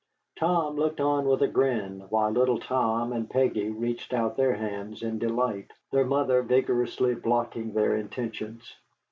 Tom looked on with a grin, while little Tom and Peggy reached out their hands in delight, their mother vigorously blocking their intentions.